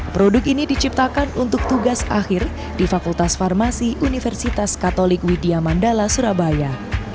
produk ini diciptakan untuk tugas akhir di fakultas farmasi universitas katolik widya mandala surabaya